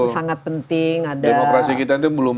sangat penting demokrasi kita itu belum